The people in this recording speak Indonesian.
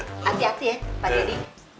hati hati ya pak dedy